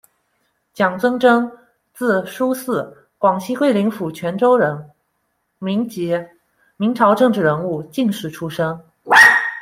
蒋遵箴，字淑四，广西桂林府全州人，民籍，明朝政治人物、进士出身。